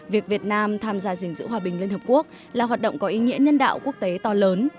việc việt nam tham gia gìn giữ hòa bình liên hợp quốc là hoạt động có ý nghĩa nhân đạo quốc tế to lớn